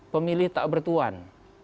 pemilih tak bertuan